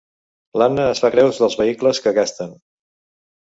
L'Anna es fa creus dels vehicles que gasten.